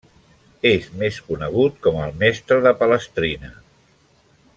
És més conegut com el mestre de Palestrina.